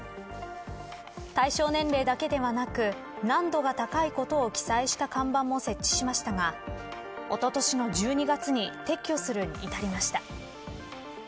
対象年齢だけではなく難度が高いことを記載した看板も設置しましたがおととしの１２月に撤去するに至りました。